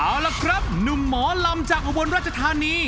เอาล่ะครับหนุ่มหมอลำจากอุบลรัชธานี